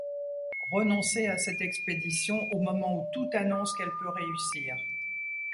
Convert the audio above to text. Renoncer à cette expédition, au moment où tout annonce qu’elle peut réussir !